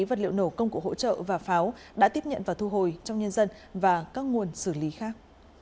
vật liệu nổ công cụ hỗ trợ và pháo đã tiếp nhận và thu hồi trong nhân dân và các nguồn xử lý khác